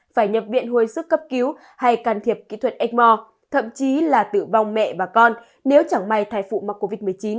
phải nhập viện hồi sức cấp cứu hay can thiệp kỹ thuật ếchmore thậm chí là tử vong mẹ và con nếu chẳng may thai phụ mắc covid một mươi chín